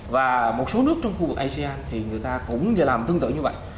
và một số nước trong khu vực asean thì người ta cũng giờ làm tương tự như vậy